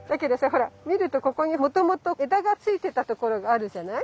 ほら見るとここにもともと枝がついてたところがあるじゃない？